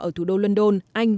ở thủ đô london anh